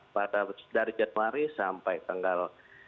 pada dari januari sampai tanggal